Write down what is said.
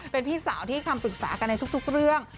เป็นพี่สาวที่คำปรึกษากันในทุกเรื่อง